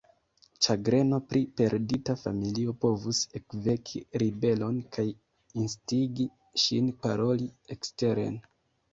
Ĉagreno pri perdita familio povus ekveki ribelon kaj instigi ŝin paroli eksteren.